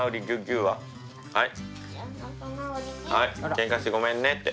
「ケンカしてごめんね」って。